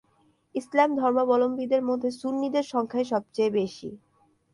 ইসলাম ধর্মাবলম্বীদের মধ্যে সুন্নিদের সংখ্যাই সবচেয়ে বেশি।